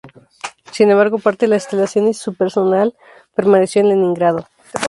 Sin embargo parte de las instalaciones y su personal permaneció en Leningrado.